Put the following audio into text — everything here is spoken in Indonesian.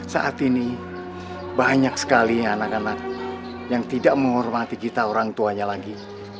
saat ini banyak sekali anak anak yang tidak menghormati kita orang tuanya lagi